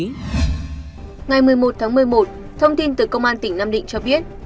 ngày một mươi một tháng một mươi một thông tin từ công an tỉnh nam định cho biết